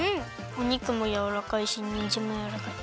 お肉もやわらかいしにんじんもやわらかい。